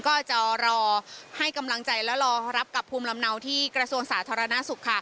ก็จะรอให้กำลังใจและรอรับกับภูมิลำเนาที่กระทรวงสาธารณสุขค่ะ